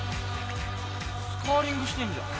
スカーリングしてんじゃん。